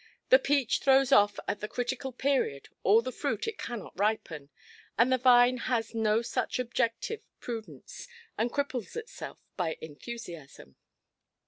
The peach throws off at the critical period all the fruit it cannot ripen; the vine has no such abjective prudence, and cripples itself by enthusiasm.